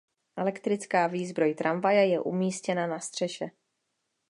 Elektrická výzbroj tramvaje je umístěna na střeše.